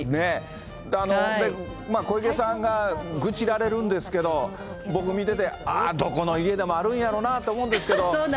小池さんが愚痴られるんですけど、僕、見てて、あー、どこの家でもあるんやろうなと思うんですけど。